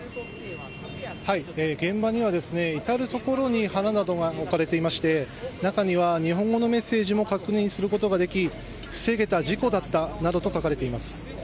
現場には、至る所に花などが置かれていまして、中には日本語のメッセージも確認することができ、防げた事故だったなどと書かれています。